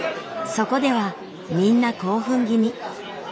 そこではみんな興奮気味。